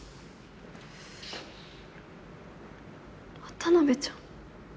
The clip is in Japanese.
田辺ちゃん。